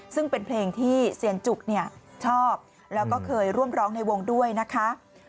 ซึ่งเป็นเพลงที่เซียนจุกชอบแล้วก็เคยร่วมร้องในวงด้วยนะคะ